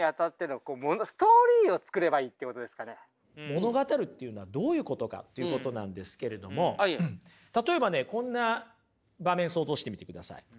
「物語る」っていうのはどういうことかっていうことなんですけれども例えばねこんな場面想像してみてください。